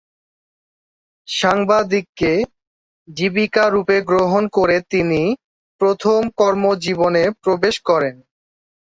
সাংবাদিককে জীবিকা রুপে গ্রহণ করে তিনি প্রথম কর্মজীবনে প্রবেশ করেন।